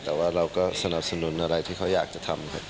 แต่ว่าเราก็สนับสนุนอะไรที่เขาอยากจะทำครับ